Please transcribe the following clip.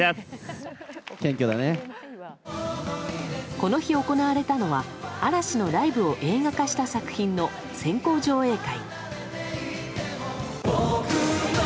この日、行われたのは嵐のライブを映画化した作品の先行上映会。